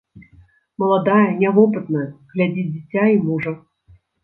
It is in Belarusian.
Маладая, нявопытная, глядзіць дзіця і мужа.